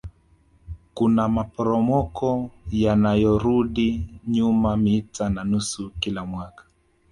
Kuna maporomoko yanayorudi nyuma mita na nusu kila mwaka